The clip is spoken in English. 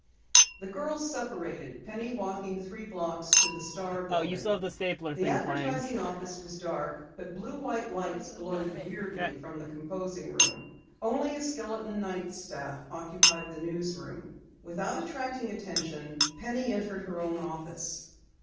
The girls separated, Penny walking three blocks to the Star building. The advertising office was dark, but blue white lights glowed weirdly from the composing room. Only a skeleton night staff occupied the newsroom. Without attracting attention, Penny entered her own office.